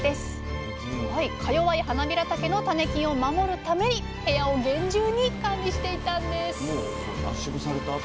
かよわいはなびらたけの種菌を守るために部屋を厳重に管理していたんです